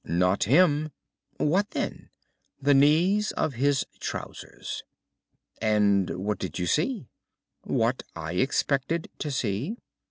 "Not him." "What then?" "The knees of his trousers." "And what did you see?" "What I expected to see."